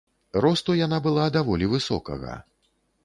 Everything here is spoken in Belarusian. Росту яна была даволі высокага.